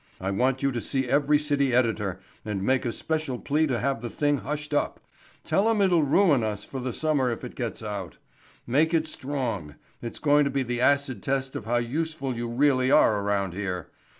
I want you to see every city editor and make a special plea to have the thing hushed up. Tell 'em it'll ruin us for the summer if it gets out. Make it strong. It's going to be the acid test of how useful you really are around here.